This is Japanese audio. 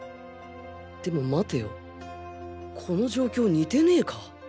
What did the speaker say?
でも待てよこの状況似てねぇか？